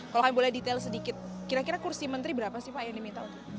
kalau kami boleh detail sedikit kira kira kursi menteri berapa sih pak yang diminta untuk